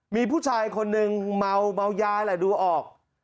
มีผู้ชายคนหนึ่งเมาเยอะมากดูออก